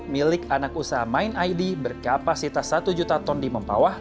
milik anak usaha mind id berkapasitas satu juta ton di mempawah